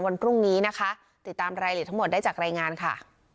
วันพรุ่งนี้นะคะติดตามรายละเอียดทั้งหมดได้จากรายงานค่ะ